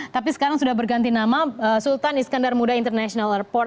tapi sekarang sudah berganti nama sultan iskandar muda international airport